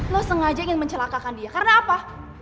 lo sengaja ingin mencelakakan dia karena apa